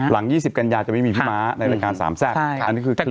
หลัง๒๐กันยาจะไม่มีพี่ม้าในรายการสามแซกอันนี้คือเคลียร์